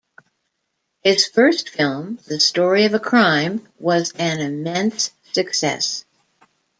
His first film "The Story of a Crime" was an immense success.